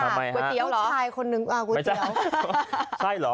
ก๋วยเตี๋ยวหรอไม่ใช่ใช่เหรอ